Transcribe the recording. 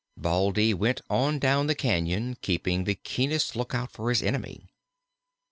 Baldy went on down the cañon, keeping the keenest lookout for his enemy.